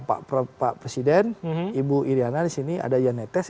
pak presiden ibu iryana di sini ada janetes